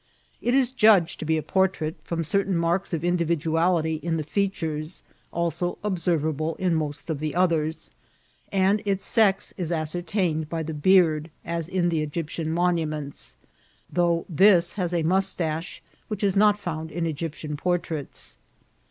It is judged to be a portrait, from certain marks of individuality in the features, also observable in most of the others, and its sex is ascertained by the beard, as in the Egyptian monuments, though this has a mustache, which is not found in Egyptian portraits.